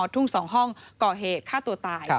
ทุ่ง๒ห้องก่อเหตุฆ่าตัวตาย